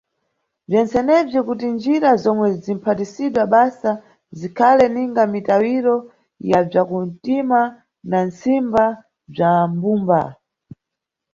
Bzentsenebzi kuti njira zomwe zimʼphatisidwa basa zikhale ninga mitawiro ya bzakuntima na ntsimba bza mbumba.